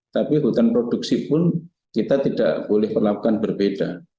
tapi hutan produksi pun kita tidak boleh perlakukan berbeda